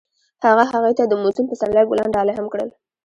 هغه هغې ته د موزون پسرلی ګلان ډالۍ هم کړل.